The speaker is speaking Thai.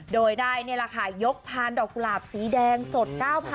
โดยได้นี่แหละค่ะยกพานดอกกุหลาบสีแดงสด๙๐๐